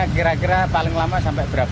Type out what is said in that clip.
molnanya kira kira paling lama sampai berapa jam